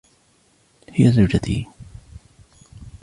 هي زوجتي.